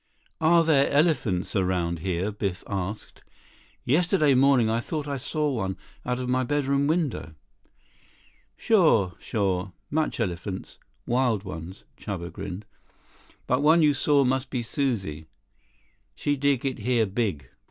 "Are there elephants around here?" Biff asked. "Yesterday morning I thought I saw one out of my bedroom window." 57 "Sure. Sure. Much elephants. Wild ones." Chuba grinned. "But one you saw must be Suzie. She dig it here big.